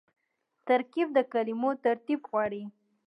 ترکیب د کلمو ترتیب غواړي.